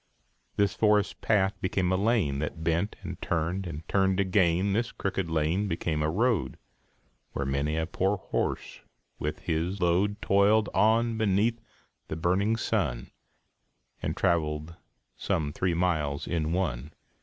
This forest path became a lane, That bent, and turned, and turned again; This crooked lane became a road, Where many a poor horse with his load Toiled on beneath the burning sun, And traveled some three miles in one.